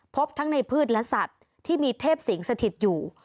พบทั้งในพืชและสัตว์ที่มีเทพสิงสถิตอยู่